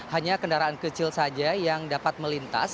hanya kendaraan kecil saja yang dapat melintas